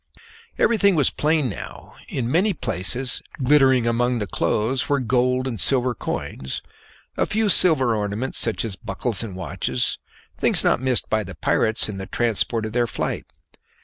Everything was plain now. In many places, glittering among the clothes, were gold and silver coins, a few silver ornaments such as buckles, and watches things not missed by the pirates in the transport of their flight.